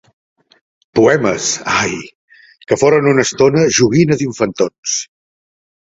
Poemes, ai!, que foren una estona joguina d’infantons.